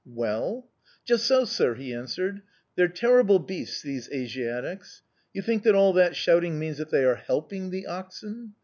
"Well?" "Just so, sir," he answered. "They're terrible beasts, these Asiatics! You think that all that shouting means that they are helping the oxen?